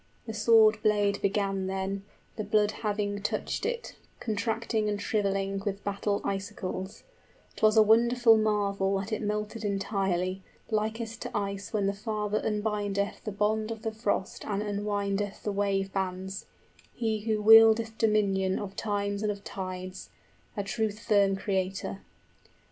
The sword blade began then, The blood having touched it, contracting and shriveling With battle icicles; 'twas a wonderful marvel 50 That it melted entirely, likest to ice when The Father unbindeth the bond of the frost and Unwindeth the wave bands, He who wieldeth dominion Of times and of tides: a truth firm Creator.